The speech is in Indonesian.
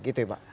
gitu ya pak